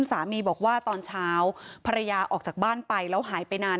สามีบอกว่าตอนเช้าภรรยาออกจากบ้านไปแล้วหายไปนาน